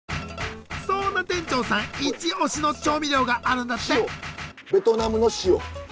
そんな店長さんイチオシの調味料があるんだって。